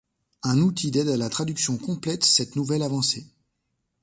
Un outil d'aide à la traduction complète cette nouvelle avancée.